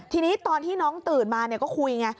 ทีนี้ตอนที่น้องตื่นมาก็คุยไง